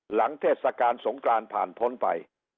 เทศกาลสงกรานผ่านพ้นไป